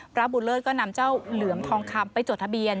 พระบุญเลิศก็นำเจ้าเหลือมทองคำไปจดทะเบียน